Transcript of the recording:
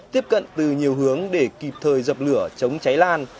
tiếp cận từ nhiều hướng để kịp thời dập lửa chống cháy lan